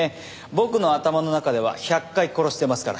僕の頭の中では１００回殺してますから樋口教官。